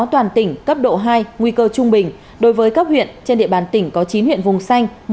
toàn tỉnh cấp độ hai nguy cơ trung bình đối với cấp huyện trên địa bàn tỉnh có chín huyện vùng xanh